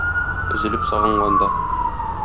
Өзелеп сагынганда.